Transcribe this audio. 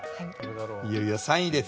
いよいよ３位です。